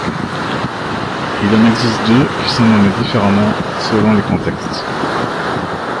Il en existe deux, qui sont nommés différemment selon les contextes.